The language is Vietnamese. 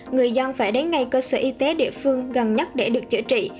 người dân phải đến ngay cơ sở y tế địa phương gần nhất để được chữa trị